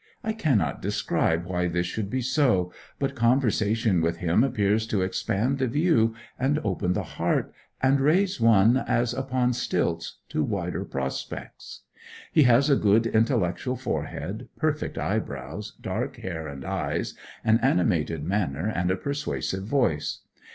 I cannot describe why this should be so, but conversation with him seems to expand the view, and open the heart, and raise one as upon stilts to wider prospects. He has a good intellectual forehead, perfect eyebrows, dark hair and eyes, an animated manner, and a persuasive voice.